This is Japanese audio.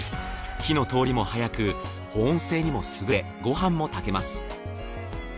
火の通りも早く保温性にも優れご飯も炊けます。